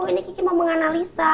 ini kiki mau menganalisa